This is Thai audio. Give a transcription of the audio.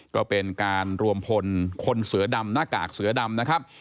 ก็เป็นการรวมพลคนเสือดำหน้ากากเสือดำนะครับ